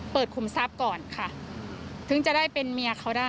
คุมทรัพย์ก่อนค่ะถึงจะได้เป็นเมียเขาได้